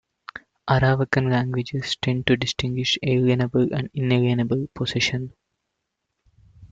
Arawakan languages tend to distinguish alienable and inalienable possession.